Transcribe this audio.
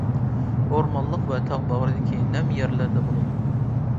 ئورمانلىق ۋە تاغ باغرىدىكى نەم يەرلەردە بولىدۇ.